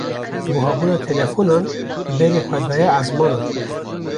Buhabûna telefonan berê xwe daye ezmanan.